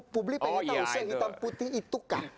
publik ingin tahu saya hitam putih itukah